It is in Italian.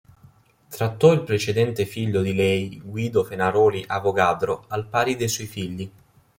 Trattò il precedente figlio di lei Guido Fenaroli Avogadro al pari dei suoi figli.